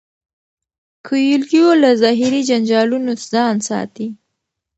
کویلیو له ظاهري جنجالونو ځان ساتي.